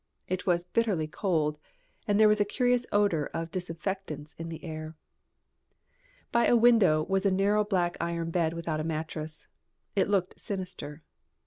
It was bitterly cold, and there was a curious odor of disinfectants in the air. By a window was a narrow black iron bed without a mattress. It looked sinister.